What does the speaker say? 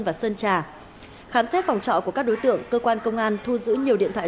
đà nẵng khám xét phòng trọ của các đối tượng cơ quan công an thu giữ nhiều điện thoại